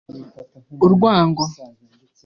urwango